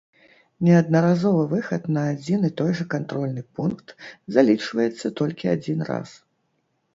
Неаднаразовы выхад на адзін і той жа кантрольны пункт залічваецца толькі адзін раз.